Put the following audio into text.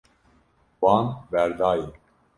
Wan berdaye.